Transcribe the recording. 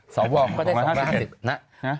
สวก็ได้๒๕๐นะ